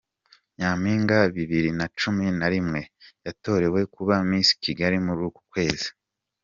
Nyaminga Bibiri Nacumi Narimwe yatorewe kuba Misi Kigali Murukukwezi